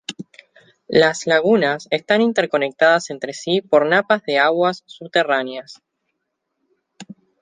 Las lagunas están interconectadas entre sí por napas de aguas subterráneas.